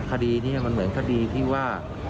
คดีนี้มันเหมือนคดีที่ว่า